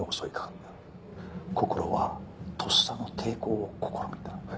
こころはとっさの抵抗を試みた。